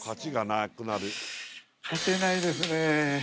「勝てないですね」